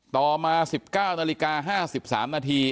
ต่อมา๑๙นาฬิกา๕๓นาที